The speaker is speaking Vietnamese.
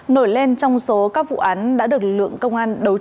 nổi lên trong số các vụ án đã được lực lượng công an đấu tranh